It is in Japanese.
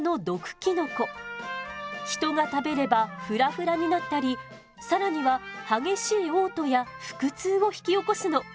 人が食べればふらふらになったり更には激しいおう吐や腹痛を引き起こすの。